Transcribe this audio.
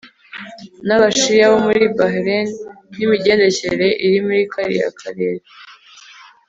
nAbashiya bo muri Bahrein nimigendekere iri muri kariya karere